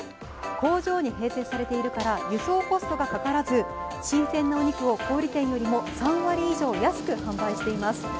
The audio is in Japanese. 工場に併設されているから輸送コストがかからず新鮮なお肉を小売店よりも３割以上安く販売しています。